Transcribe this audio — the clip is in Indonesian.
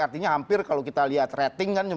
artinya hampir kalau kita lihat rating kan